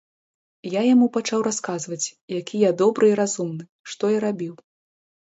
Я яму пачаў расказваць, які я добры і разумны, што я рабіў.